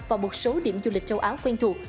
và một số điểm du lịch châu á quen thuộc